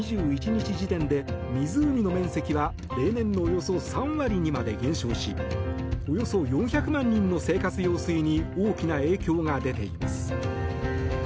２１日時点で湖の面積は例年のおよそ３割にまで減少しおよそ４００万人の生活用水に大きな影響が出ています。